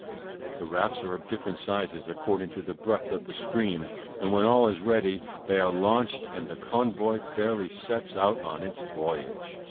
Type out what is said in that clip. The rafts are of different sizes, according to the breadth of the stream; and when all is ready, they are launched, and the convoy fairly sets out on its voyage.